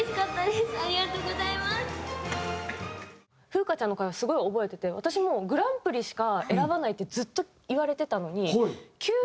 ふうかちゃんの回はすごい覚えてて私もうグランプリしか選ばないってずっと言われてたのに急にザワザワしてて裏が。